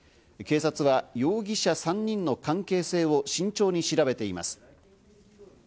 警察は容疑者３人の関係性を慎重に調べています。